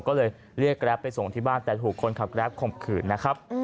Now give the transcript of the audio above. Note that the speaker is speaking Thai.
ก็เลยเรียกแกรปไปส่งที่บ้านแต่ถูกคนขับแกรปข่มขืนนะครับ